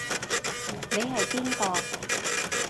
你係邊個？